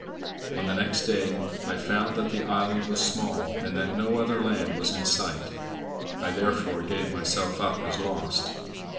On the next day I found that the island was small, and that no other land was in sight. I therefore gave myself up as lost.